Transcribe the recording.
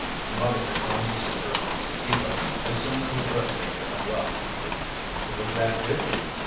Her mother had gone to see her aunt Eva as soon as the dressmaker had left. "Who was that with you?"